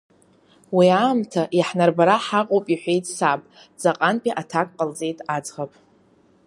Уи аамҭа иаҳнарбара ҳаҟоуп ҳәа иҳәеит саб, ҵаҟантәи аҭак ҟалҵеит аӡӷаб.